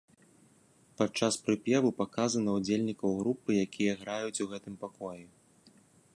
Пад час прыпеву паказана удзельнікаў групы, якія граюць у гэтым пакоі.